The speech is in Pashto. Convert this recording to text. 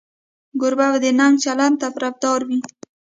کوربه د نیک چلند طرفدار وي.